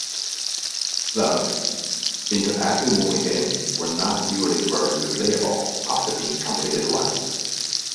Thus, interactive movie games were not usually very replayable after being completed once.